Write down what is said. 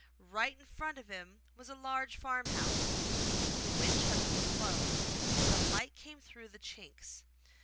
Right in front of him was a large farm house. The window shutters were closed, but the light came through the chinks.